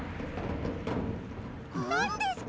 なんですか！？